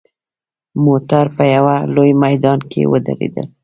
موټر په یوه لوی میدان کې ودرېدل.